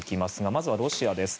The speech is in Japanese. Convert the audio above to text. まずはロシアです。